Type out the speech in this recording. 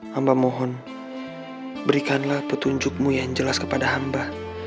hamba mohon berikanlah petunjuk mu yang jelas kepada hamba